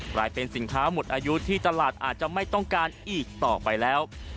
กลายเป็นสินค้าหมดอายุที่ตลาดอาจจะไม่ต้องการอีกต่อไปแล้ว